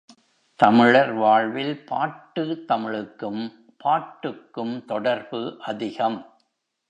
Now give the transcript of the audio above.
தமிழர் வாழ்வில் பாட்டு தமிழுக்கும் பாட்டுக்கும் தொடர்பு அதிகம்.